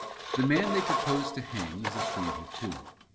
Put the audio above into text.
The man they proposed to hang was a stranger too.